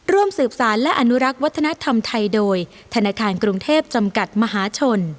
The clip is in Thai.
ร่วมสืบสารและอนุรักษ์วัฒนธรรมไทยโดยธนาคารกรุงเทพจำกัดมหาชน